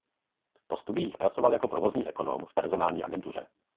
Po studiích pracoval jako provozní ekonom v personální agentuře.